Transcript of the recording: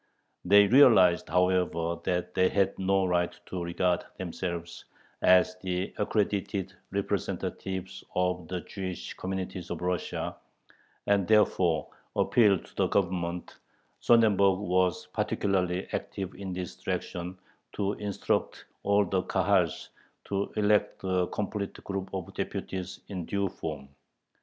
They realized, however, that they had no right to regard themselves as the accredited representatives of the Jewish communities of Russia, and therefore appealed to the Government Sonnenberg was particularly active in this direction to instruct all the Kahals to elect a complete group of deputies in due form.